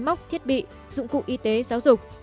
bóc thiết bị dụng cụ y tế giáo dục